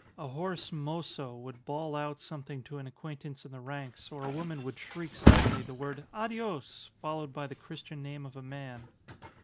A hoarse mozo would bawl out something to an acquaintance in the ranks, or a woman would shriek suddenly the word Adios! followed by the Christian name of a man.